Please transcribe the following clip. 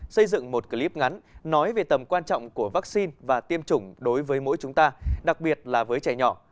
xây dựng một clip ngắn nói về tầm quan trọng của vaccine và tiêm chủng đối với mỗi chúng ta đặc biệt là với trẻ nhỏ